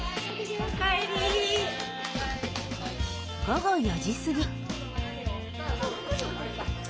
午後４時過ぎ。